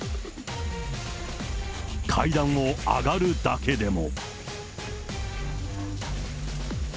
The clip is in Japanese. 階段を上がるだけでも。